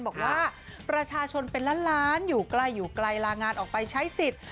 บอกว่าประชาชนเป็นล้านอยู่ไกลลางานออกไปใช้สิทธิ์